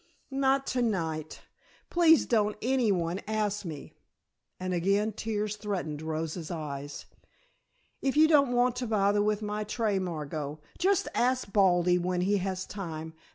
"Not to night. Please don't any one ask me," and again tears threatened Rosa's eyes. "If you don't want to bother with my tray, Margot, just ask Baldy when he has time.